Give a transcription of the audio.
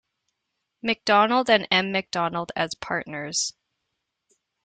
McDonald and M. McDonald as partners.